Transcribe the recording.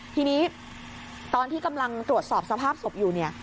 ทีนี้ตอนที่กำลังตรวจสอบสภาพสบอยู่